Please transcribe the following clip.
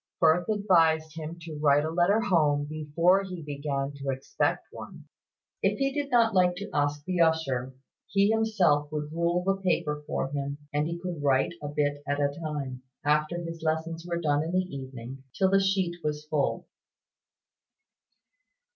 Firth advised him to write a letter home before he began to expect one. If he did not like to ask the usher, he himself would rule the paper for him, and he could write a bit at a time, after his lessons were done in the evening, till the sheet was full.